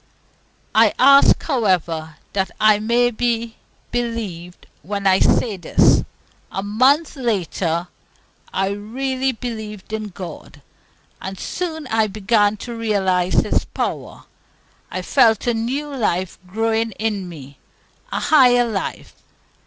I ask, however, that I may be believed when I say this: a month later I really believed in God, and soon I began to realize His power. I felt a new life growing in me, a higher life.